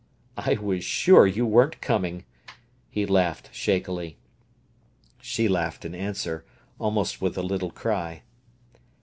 "I was sure you weren't coming," he laughed shakily. She laughed in answer, almost with a little cry.